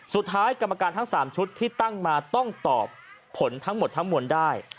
กรรมการทั้ง๓ชุดที่ตั้งมาต้องตอบผลทั้งหมดทั้งมวลได้